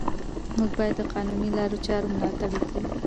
موږ باید د قانوني لارو چارو ملاتړ وکړو